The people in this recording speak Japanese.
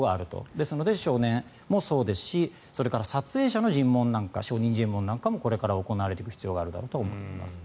ですので、少年もそうですしそれから撮影者の証人尋問なんかもこれから行われていく必要があると思いますね。